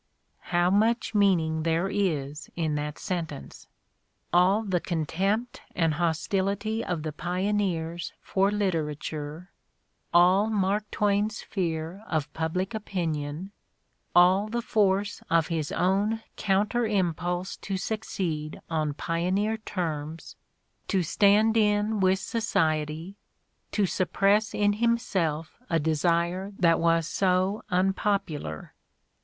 How much meaning there is in that sen tence! — all the contempt and hostility of the pioneers for literature, all Mark Twain's fear of public opinion, all the force of his own counter impulse to succeed on pioneer terms, to stand in with society, to suppress in himself a desire that was so unpopular.